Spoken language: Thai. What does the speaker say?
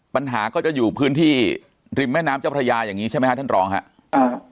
ปัญหาก็จะอยู่พื้นที่ริมแม่น้ำเจ้าพระยาอย่างนี้ใช่ไหมครับท่านรองครับ